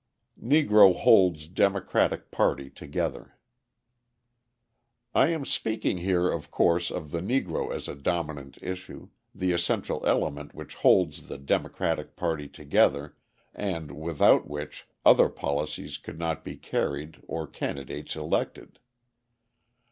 Negro Holds Democratic Party Together I am speaking here, of course, of the Negro as a dominant issue, the essential element which holds the Democratic party together and without which other policies could not be carried or candidates elected.